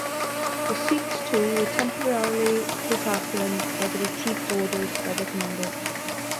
The Sikhs too were temporarily disheartened by the retreats ordered by their commanders.